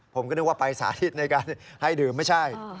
ผมก็นึกว่าไปสาธิตในการให้ดื่มไม่ใช่